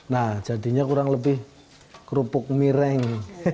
nah jadinya kurang lebih kerupuk mireng